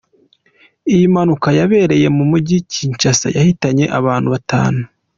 Iyi mpanuka yabereye mu mugi Kinshasa yahitanye abantu batanu.